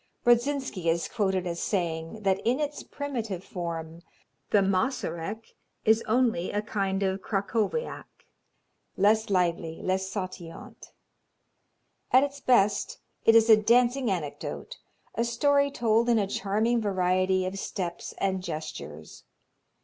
Brodzinski is quoted as saying that in its primitive form the Mazurek is only a kind of Krakowiak, "less lively, less sautillant." At its best it is a dancing anecdote, a story told in a charming variety of steps and gestures.